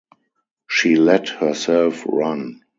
She let herself run.